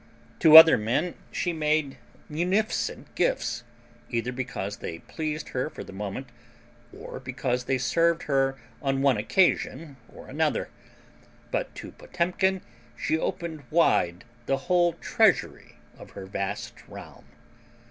To other men she made munificent gifts, either because they pleased her for the moment or because they served her on one occasion or another; but to Potemkin she opened wide the whole treasury of her vast realm.